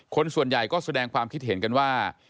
คนส่วนใหญ่ก็แสดงความคิดเห็นกันว่า